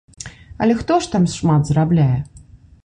Але хто ж там шмат зарабляе?